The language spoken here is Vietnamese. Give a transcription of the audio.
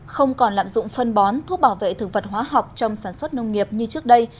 không còn lạm dụng phân bón thuốc bảo vệ thực vật hóa học trong sản xuất nông nghiệp như trước đây